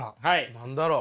何だろう。